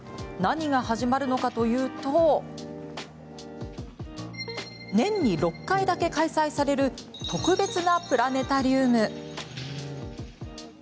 何が始まるのかというと年に６回だけ開催される特別なプラネタリウム。